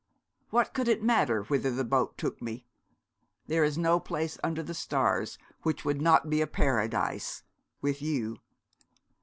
What could it matter whither the boat took me? There is no place under the stars which would not be a paradise with you.'